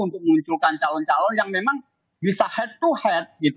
untuk munculkan calon calon yang memang bisa head to head